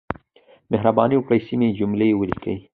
مهرباني وکړئ، سمې جملې وليکئ!